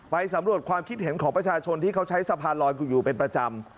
สำรวจความคิดเห็นของประชาชนที่เขาใช้สะพานลอยอยู่เป็นประจำ